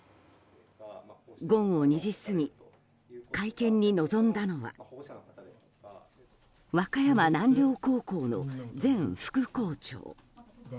午後２時過ぎ会見に臨んだのは和歌山南陵高校の前副校長。